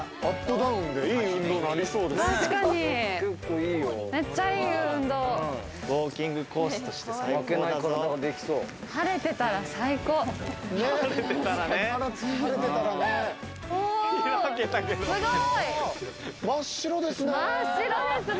ダウンでいい運動になりそうですね。